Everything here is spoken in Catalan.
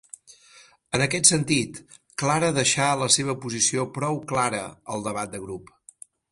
En aquest sentit, Clara deixà la seva posició prou Clara al debat de grup.